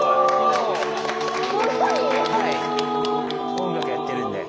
音楽やってるんで。